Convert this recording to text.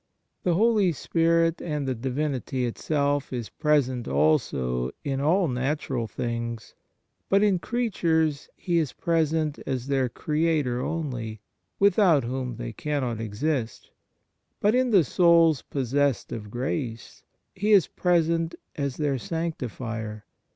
The Holy Spirit, and the Divinity itself, is present, also, in all natural things; but in creatures He is present as their Creator only, without whom they cannot exist, but in the souls possessed of grace He is present as their Sanctifier.